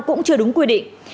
cũng chưa đúng quy định